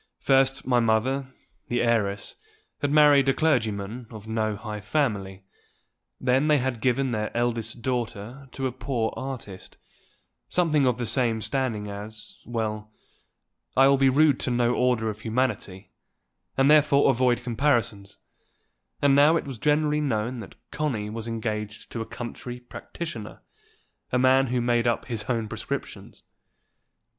First my mother, the heiress, had married a clergyman of no high family; then they had given their eldest daughter to a poor artist, something of the same standing as well, I will be rude to no order of humanity, and therefore avoid comparisons; and now it was generally known that Connie was engaged to a country practitioner, a man who made up his own prescriptions.